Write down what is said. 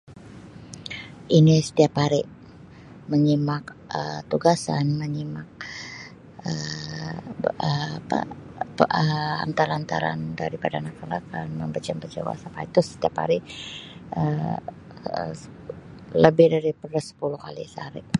Ini setiap hari, menyimak Um tugasan, menyimak Um apa Um hantar-hantaran daripada [unintelligible] Um itu setiap hari Um lebih daripada 10 kali sehari.